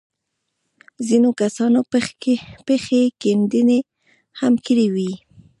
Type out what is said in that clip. ځينو کسانو پکښې کيندنې هم کړې وې.